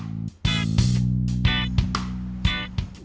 tidak ada yang menarik